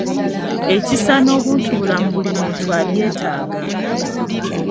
Ekisa n'obuntubulamu buli muntu abyetaaga.